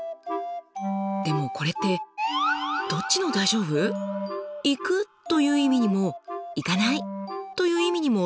でもこれってどっちの「大丈夫」？「行く」という意味にも「行かない」という意味にも取れますよね。